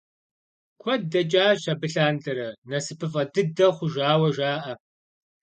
Куэд дэкӏащ абы лъандэрэ, насыпыфӏэ дыдэ хъужауэ жаӏэ.